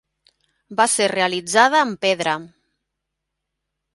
Va ser realitzada amb pedra.